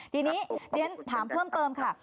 ทีนี้เรียนถามเพิ่มเติมค่ะ